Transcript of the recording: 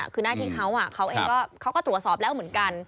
คือหน้าที่เขาเขาเองเขาก็ตรวจสอบแล้วเหมือนกัน